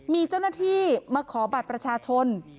มีเจ้าหน้าที่มาขอบัตรประชาชน